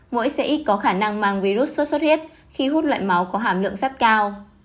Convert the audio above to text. mũi sẽ ít có khả năng mang virus sốt xuất huyết khi hút loại máu có hàm lượng sắt cao